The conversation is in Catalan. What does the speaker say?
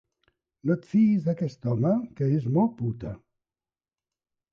No et fiïs d'aquest home, que és molt puta.